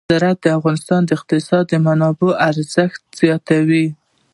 زراعت د افغانستان د اقتصادي منابعو ارزښت زیاتوي.